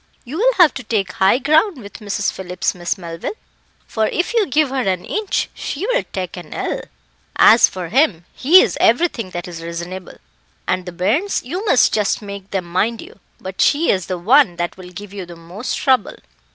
You'll have to take high ground with Mrs. Phillips, Miss Melville, for if you give her an inch she will take an ell. As for him, he is everything that is reasonable; and the bairns, you must just make them mind you. But she is the one that will give you the most trouble."